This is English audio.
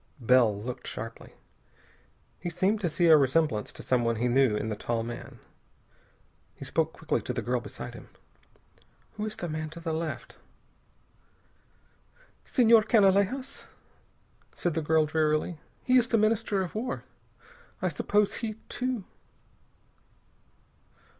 Bell looked sharply. He seemed to see a resemblance to someone he knew in the tall man. He spoke quickly to the girl beside him. "Who is the man to the left?" "Senhor Canalejas," said the girl drearily. "He is the Minister of War. I suppose he, too...."